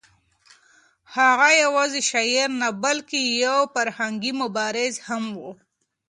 هغه یوازې شاعر نه بلکې یو فرهنګي مبارز هم و.